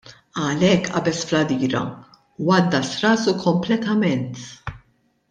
Għalhekk qabeż fl-għadira u għaddas rasu kompletament.